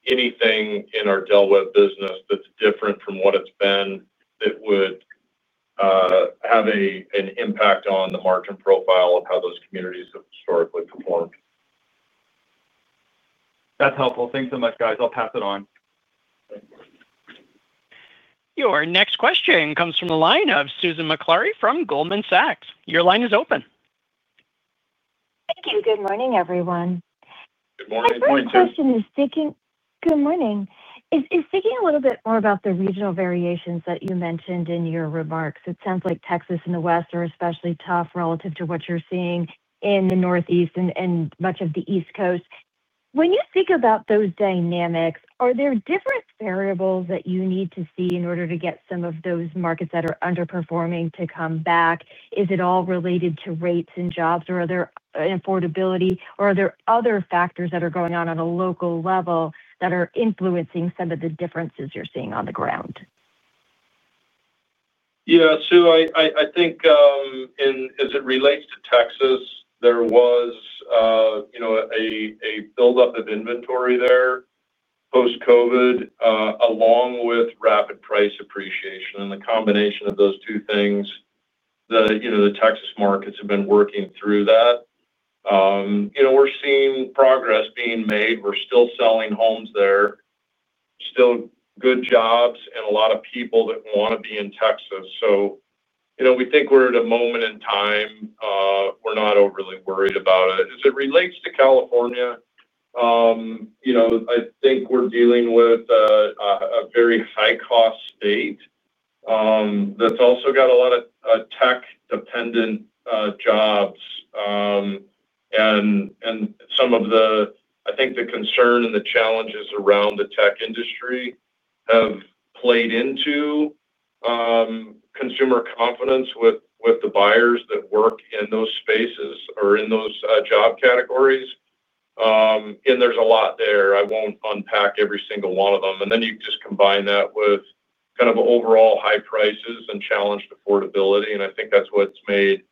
anything in our Del Webb business that's different from what it's been that would have an impact on the margin profile of how those communities have historically performed. That's helpful. Thanks so much, guys. I'll pass it on. Your next question comes from the line of Susan Maklari from Goldman Sachs. Your line is open. Thank you. Good morning, everyone. Good morning. My question is, good morning. Is sticking a little bit more about the regional variations that you mentioned in your remarks. It sounds like Texas and the Western markets are especially tough relative to what you're seeing in the Northeast and much of the East Coast. When you think about those dynamics, are there different variables that you need to see in order to get some of those markets that are underperforming to come back? Is it all related to rates and jobs, or are there affordability, or are there other factors that are going on on a local level that are influencing some of the differences you're seeing on the ground? I think, as it relates to Texas, there was a buildup of inventory there post-COVID, along with rapid price appreciation. The combination of those two things, the Texas markets have been working through that. We're seeing progress being made. We're still selling homes there, still good jobs, and a lot of people that want to be in Texas. We think we're at a moment in time. We're not overly worried about it. As it relates to California, I think we're dealing with a very high-cost state that's also got a lot of tech-dependent jobs. Some of the concern and the challenges around the tech industry have played into consumer confidence with the buyers that work in those spaces or in those job categories. There's a lot there. I won't unpack every single one of them. You just combine that with overall high prices and challenged affordability. I think that's what's made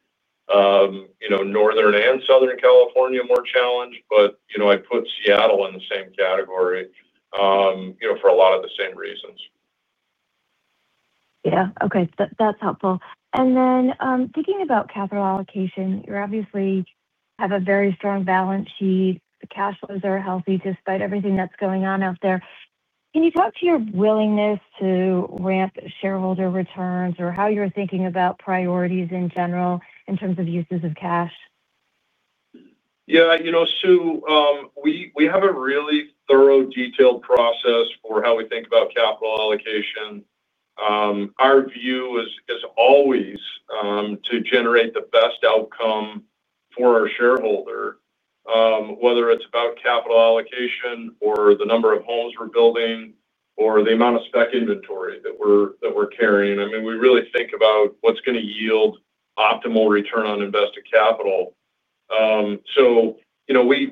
Northern and Southern California more challenged. I put Seattle in the same category for a lot of the same reasons. Okay. That's helpful. Thinking about capital allocation, you obviously have a very strong balance sheet. The cash flows are healthy despite everything that's going on out there. Can you talk to your willingness to ramp shareholder returns or how you're thinking about priorities in general in terms of uses of cash? Yeah. You know, Sue, we have a really thorough, detailed process for how we think about capital allocation. Our view is always to generate the best outcome for our shareholder, whether it's about capital allocation or the number of homes we're building or the amount of spec inventory that we're carrying. I mean, we really think about what's going to yield optimal return on invested capital.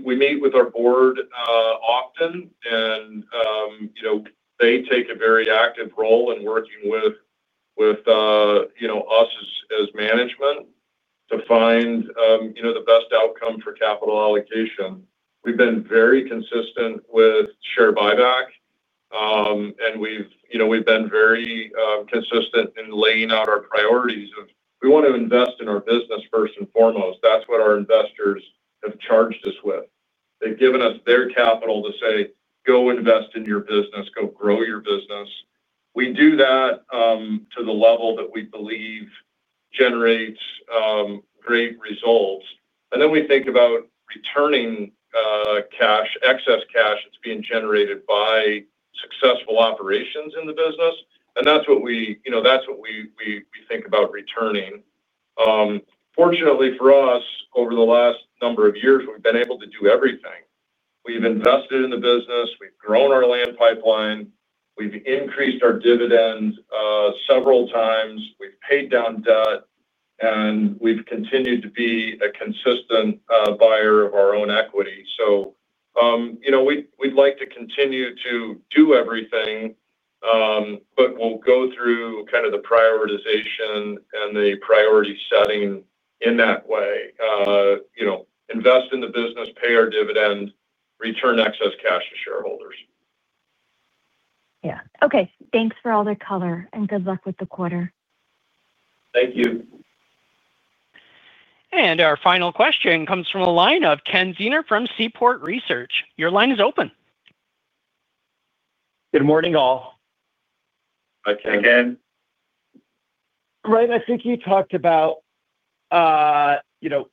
We meet with our board often, and they take a very active role in working with us as management to find the best outcome for capital allocation. We've been very consistent with share buyback, and we've been very consistent in laying out our priorities of we want to invest in our business first and foremost. That's what our investors have charged us with. They've given us their capital to say, "Go invest in your business. Go grow your business." We do that to the level that we believe generates great results. Then we think about returning cash, excess cash that's being generated by successful operations in the business. That's what we think about returning. Fortunately, for us, over the last number of years, we've been able to do everything. We've invested in the business. We've grown our land pipeline. We've increased our dividend several times. We've paid down debt, and we've continued to be a consistent buyer of our own equity. We'd like to continue to do everything, but we'll go through kind of the prioritization and the priority setting in that way. Invest in the business, pay our dividend, return excess cash to shareholders. Yeah, okay. Thanks for all the color and good luck with the quarter. Thank you. Our final question comes from the line of Ken Zener from Seaport Research. Your line is open. Good morning, all. Hi, Ken. Hi, Ken. Right. I think you talked about, you know,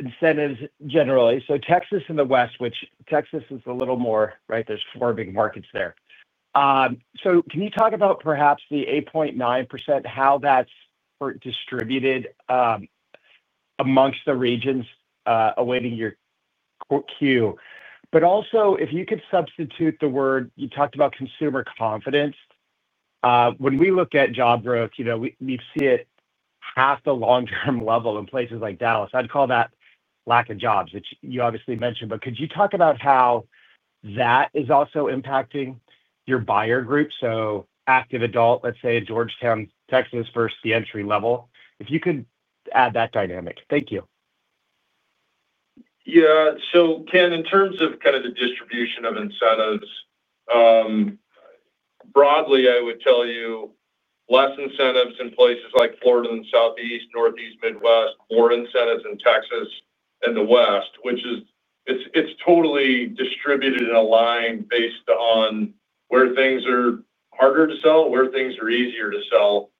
incentives generally. Texas and the West, which Texas is a little more, right? There are four big markets there. Can you talk about perhaps the 8.9%, how that's distributed amongst the regions awaiting your Q? Also, if you could substitute the word, you talked about consumer confidence. When we look at job growth, we've seen it half the long-term level in places like Dallas. I'd call that lack of jobs, which you obviously mentioned. Could you talk about how that is also impacting your buyer group? Active adult, let's say, in Georgetown, Texas, versus the entry level. If you could add that dynamic. Thank you. Yeah. Ken, in terms of the distribution of incentives, broadly, I would tell you less incentives in places like Florida and the Southeast, Northeast, Midwest, more incentives in Texas and the West, which is totally distributed and aligned based on where things are harder to sell, where things are easier to sell.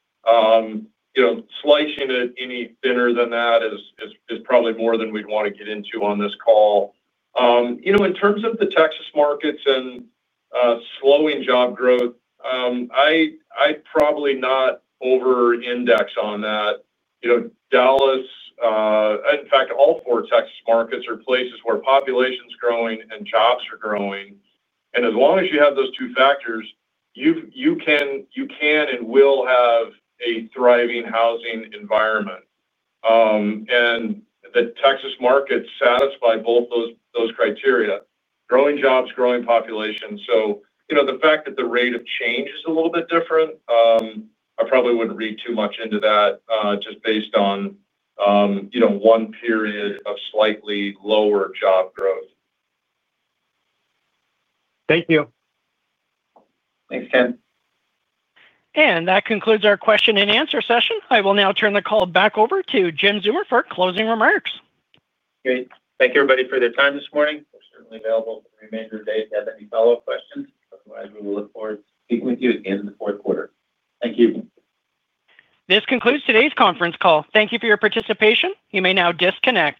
Slicing it any thinner than that is probably more than we'd want to get into on this call. In terms of the Texas markets and slowing job growth, I'd probably not over-index on that. Dallas, in fact, all four Texas markets are places where population is growing and jobs are growing. As long as you have those two factors, you can and will have a thriving housing environment. The Texas market satisfies both those criteria: growing jobs, growing population. The fact that the rate of change is a little bit different, I probably wouldn't read too much into that just based on one period of slightly lower job growth. Thank you. Thanks, Ken. That concludes our question-and-answer session. I will now turn the call back over to Jim Zeumer for closing remarks. Great. Thank you, everybody, for their time this morning. We're certainly available for the remainder of the day if you have any follow-up questions. Otherwise, we will look forward to speaking with you at the end of the fourth quarter. Thank you. This concludes today's conference call. Thank you for your participation. You may now disconnect.